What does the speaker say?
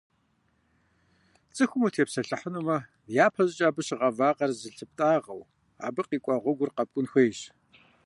Цӏыхум утепсэлъыхьынумэ, япэщӏыкӏэ абы щыгъа вакъэр зылъыптӏагъэу, абы къикӏуа гъуэгур къэпкӏун хуейщ.